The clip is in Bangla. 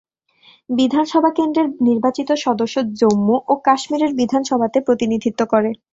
বিধানসভা কেন্দ্রের নির্বাচিত সদস্য জম্মু ও কাশ্মীরের বিধানসভাতে প্রতিনিধিত্ব করে।